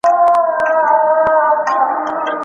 هغه له ډاره اوږده لاره د اتڼ لپاره ووهل.